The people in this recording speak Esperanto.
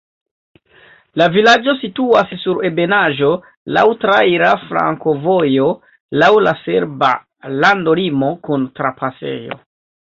La vilaĝo situas sur ebenaĵo, laŭ traira flankovojo, laŭ la serba landolimo kun trapasejo.